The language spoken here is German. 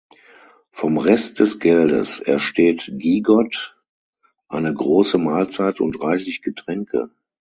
Vom Rest des Geldes ersteht Gigot eine große Mahlzeit und reichlich Getränke.